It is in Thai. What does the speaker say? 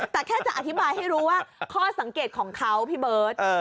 แต่แค่จะอธิบายให้รู้ว่าข้อสังเกตของเขาพี่เบิร์ต